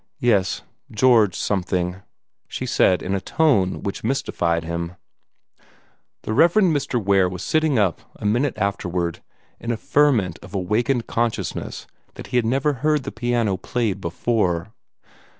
"Yes George something," she said, in a tone which mystified him. The Rev. Mr. Ware was sitting up, a minute afterward, in a ferment of awakened consciousness that he had never heard the piano played before.